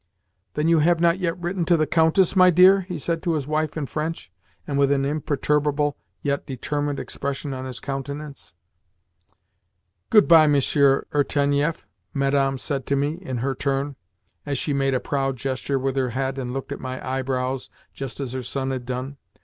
"Then you have not yet written to the Countess, my dear?" he said to his wife in French, and with an imperturbable, yet determined, expression on his countenance. "Good bye, Monsieur Irtenieff," Madame said to me, in her turn, as she made a proud gesture with her head and looked at my eyebrows just as her son had done.